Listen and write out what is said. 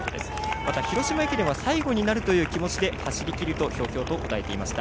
また広島駅伝は最後になるという気持ちで走りきるとひょうひょうと答えていました。